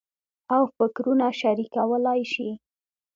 او فکرونه شریکولای شي.